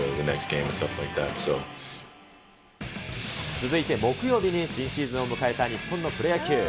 続いて、木曜日に新シーズンを迎えた日本のプロ野球。